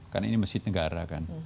kan ini masjid negara kan